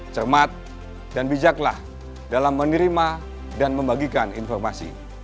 cermat dan bijaklah dalam menerima dan membagikan informasi